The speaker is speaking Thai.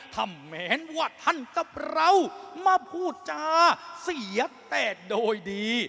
ถ้าแม้ว่าท่านกับเรามาพูดจาเสียแต่โดยดี